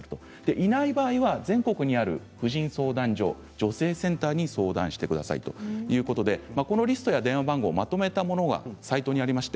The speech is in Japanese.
いない場合は全国にある婦人相談所や女性センターに相談してくださいということでそのリストや電話番号をまとめたサイトがあります。